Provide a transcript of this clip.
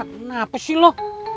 kenapa sih lo